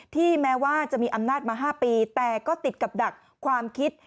แม้ว่าจะมีอำนาจมา๕ปีแต่ก็ติดกับดักความคิด